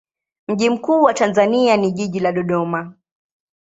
Mji mkuu wa Tanzania ni jiji la Dodoma.